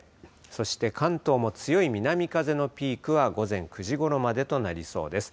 そして関東も強い南風のピークは午前９時ごろまでとなりそうです。